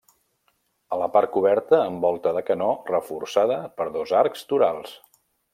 A la part coberta amb volta de canó reforçada per dos arcs torals.